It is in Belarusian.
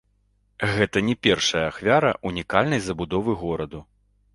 Гэта не першая ахвяра ўнікальнай забудовы гораду.